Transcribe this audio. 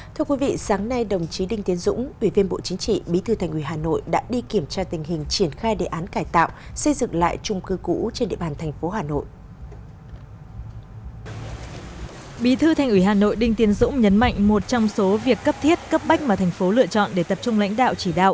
thưa quý vị sáng nay đồng chí đinh tiến dũng ủy viên bộ chính trị bí thư thành ủy hà nội đã đi kiểm tra tình hình triển khai đề án cải tạo xây dựng lại trung cư cũ trên địa bàn thành phố hà nội